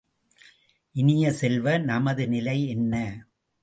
இனிய செல்வ, நமது நிலை என்ன?